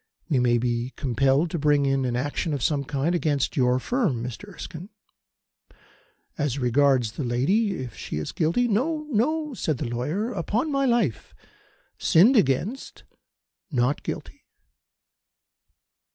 We may be compelled to bring an action of some kind against your firm, Mr. Erskine. As regards the lady, if she is guilty " "No no," said the lawyer, "upon my life! Sinned against not guilty."